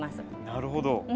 なるほど。